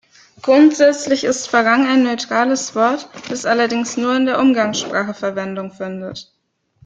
Grundsätzlich ist "Farang" ein neutrales Wort, das allerdings nur in der Umgangssprache Verwendung findet.